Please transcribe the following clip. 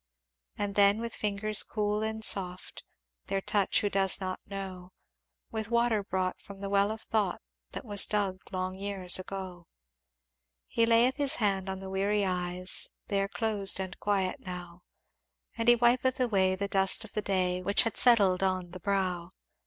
"And then with fingers cool and soft, (Their touch who does not know) With water brought from the well of Thought, That was dug long years ago, "He layeth his hand on the weary eyes They are closed and quiet now; And he wipeth away the dust of the day Which had settled on the brow.